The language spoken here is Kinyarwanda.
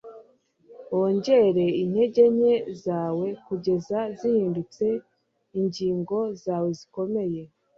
wongere intege nke zawe kugeza zihindutse ingingo zawe zikomeye